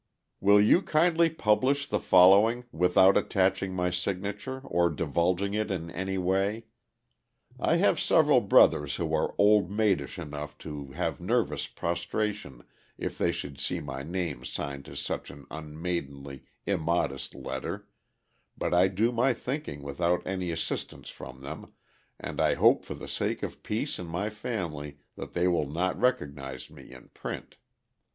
Will you kindly publish the following without attaching my signature or divulging it in any way? I have several brothers who are old maidish enough to have nervous prostration if they should see my name signed to such an unmaidenly, immodest letter, but I do my thinking without any assistance from them, and hope for the sake of peace in my family that they will not recognise me in print.